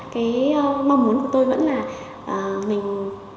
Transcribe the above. cái mong muốn của tôi vẫn là mình